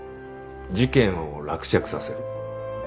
事件を落着させる。